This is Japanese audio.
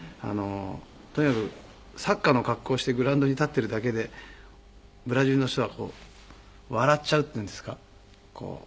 とにかくサッカーの格好をしてグラウンドに立っているだけでブラジルの人はこう笑っちゃうっていうんですか。